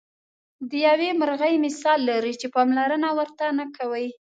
د یوې مرغۍ مثال لري چې پاملرنه ورته نه کوئ.